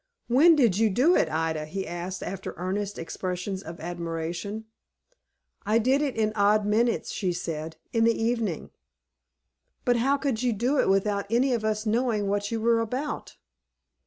"When did you do it, Ida?" he asked, after earnest expressions of admiration. "I did it in odd minutes," she said; "in the evening." "But how could you do it without any one of us knowing what you were about?"